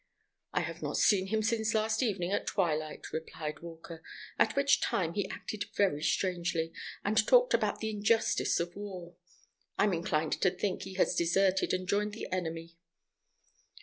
"I have not seen him since last evening at twilight," replied Walker, "at which time he acted very strangely, and talked about the injustice of war. I am inclined to think he has deserted and joined the enemy."